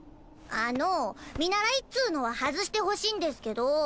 あの見習いっつのは外してほしいんですけど。